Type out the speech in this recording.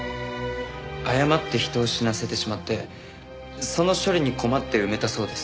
過って人を死なせてしまってその処理に困って埋めたそうです。